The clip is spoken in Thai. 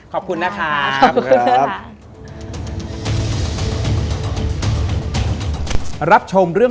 ขอบคุณนะครับ